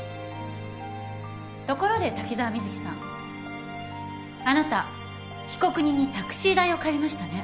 ところで滝沢美月さんあなた被告人にタクシー代を借りましたね？